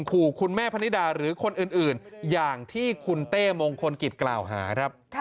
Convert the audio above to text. ขู่คุณแม่พนิดาหรือคนอื่นอย่างที่คุณเต้มงคลกิจกล่าวหาครับ